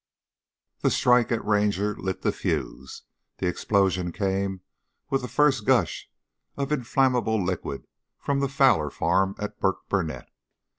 The strike at Ranger lit the fuse, the explosion came with the first gush of inflammable liquid from the Fowler farm at Burkburnett.